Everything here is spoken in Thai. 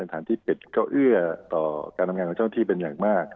สถานที่ปิดก็เอื้อต่อการทำงานของเจ้าหน้าที่เป็นอย่างมาก